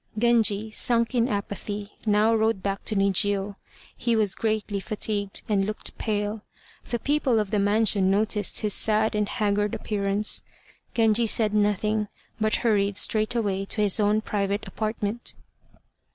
Genji, sunk in apathy, now rode back to Nijiô; he was greatly fatigued, and looked pale. The people of the mansion noticed his sad and haggard appearance. Genji said nothing, but hurried straight away to his own private apartment.